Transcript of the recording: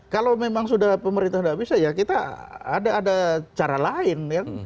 kalau memang sudah pemerintah tidak bisa ya kita ada cara lain